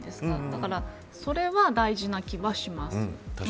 だからそれは大事な気がします。